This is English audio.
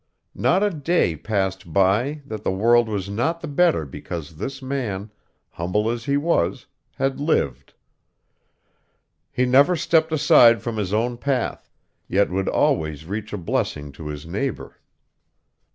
Not a day passed by, that the world was not the better because this man, humble as he was, had lived. He never stepped aside from his own path, yet would always reach a blessing to his neighbor.